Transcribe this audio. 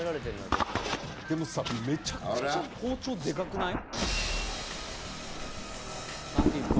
ちょっとでもさめちゃくちゃ包丁でかくない？